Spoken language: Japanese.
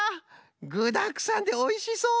ぐだくさんでおいしそう！